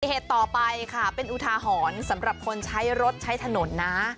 เหตุต่อไปค่ะเป็นอุทาหรณ์สำหรับคนใช้รถใช้ถนนนะ